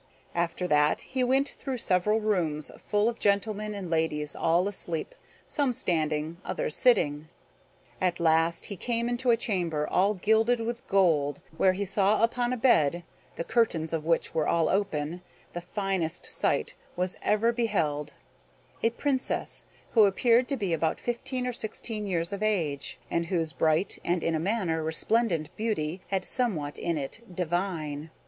After that he went through several rooms full of gentlemen and ladies, all asleep, some standing, others sitting. At last he came into a chamber all gilded with gold, where he saw upon a bed, the curtains of which were all open, the finest sight was ever beheld a princess, who appeared to be about fifteen or sixteen years of age, and whose bright and, in a manner, resplendent beauty, had somewhat in it divine.